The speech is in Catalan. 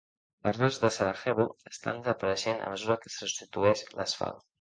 Les roses de Sarajevo estan desapareixent a mesura que se substitueix l'asfalt.